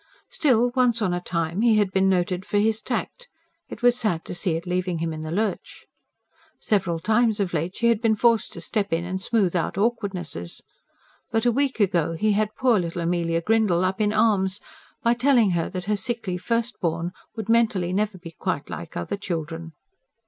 Still, once on a time he had been noted for his tact; it was sad to see it leaving him in the lurch. Several times of late she had been forced to step in and smooth out awkwardnesses. But a week ago he had had poor little Amelia Grindle up in arms, by telling her that her sickly first born would mentally never be quite like other children.